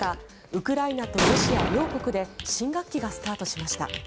ウクライナとロシア両国で新学期がスタートしました。